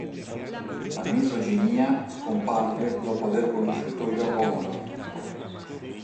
La misoginia scomparve dopo aver conosciuto Yōko Ono.